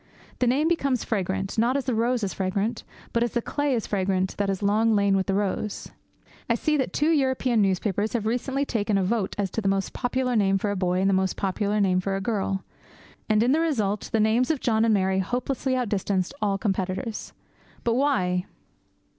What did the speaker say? The name becomes fragrant, not as the rose is fragrant, but as the clay is fragrant that has long lain with the rose. I see that two European newspapers have recently taken a vote as to the most popular name for a boy and the most popular name for a girl. And in the result the names of John and Mary hopelessly outdistanced all competitors. But why?